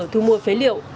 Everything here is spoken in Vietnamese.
thu mua phế liệu